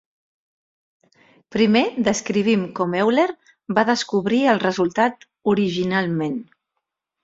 Primer, descrivim com Euler va descobrir el resultat originalment.